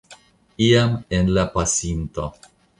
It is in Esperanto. Iam en la pasinto.